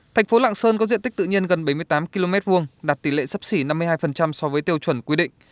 thành phố lạng sơn có diện tích tự nhiên gần bảy mươi tám km hai đạt tỷ lệ sấp xỉ năm mươi hai so với tiêu chuẩn quy định